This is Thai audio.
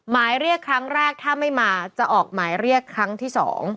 หมายเรียกครั้งแรกถ้าไม่มาจะออกหมายเรียกครั้งที่๒